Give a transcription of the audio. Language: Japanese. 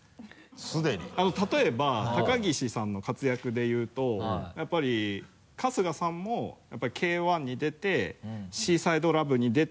例えば高岸さんの活躍で言うとやっぱり春日さんもＫー１に出て「ＳＥＡＳＩＤＥＬＯＶＥ」に出て。